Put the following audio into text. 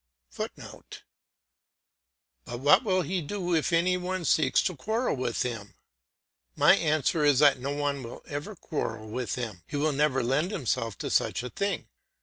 [Footnote: "But what will he do if any one seeks a quarrel with him?" My answer is that no one will ever quarrel with him, he will never lend himself to such a thing.